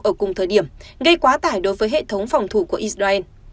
ở cùng thời điểm gây quá tải đối với hệ thống phòng thủ của israel